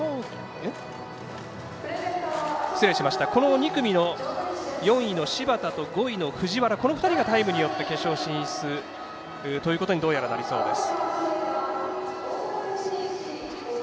２組で４位の芝田と５位の藤原この２人がタイムによって決勝進出ということにどうやらなりそうです。